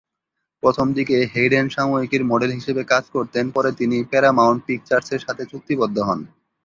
প্রথমদিকে হেইডেন সাময়িকীর মডেল হিসেবে কাজ করতেন পরে তিনি প্যারামাউন্ট পিকচার্সের সাথে চুক্তিবদ্ধ হন।